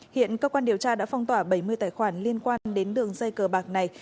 hiện cơ quan điều tra đã phong tỏa bảy mươi tài khoản liên quan đến đường dây cờ bạc này